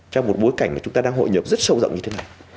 trong một bối cảnh mà chúng ta đang hội nhập rất sâu rộng như thế này